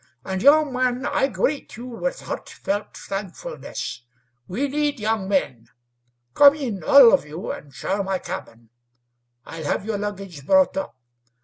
And, young man, I greet you with heartfelt thankfulness. We need young men. Come in, all of your, and share my cabin. I'll have your luggage brought up.